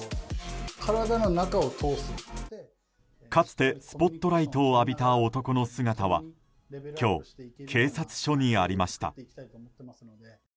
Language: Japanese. かつてスポットライトを浴びた男の姿は今日、警察署にありました。